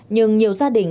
nhưng nhiều gia đình